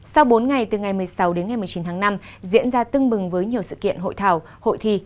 sau bốn ngày từ ngày một mươi sáu đến ngày một mươi chín tháng năm diễn ra tưng bừng với nhiều sự kiện hội thảo hội thi